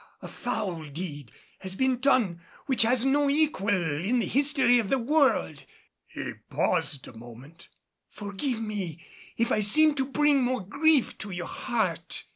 A foul deed has been done which has no equal in the history of the world." He paused a moment. "Forgive me if I seem to bring more grief to your heart.